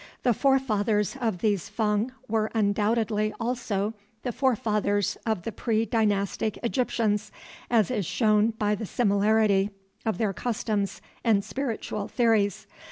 The forefathers of these Fung were undoubtedly also the forefathers of the pre dynastic Egyptians, as is shown by the similarity of their customs and spiritual theories.